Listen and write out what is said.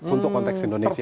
untuk konteks indonesia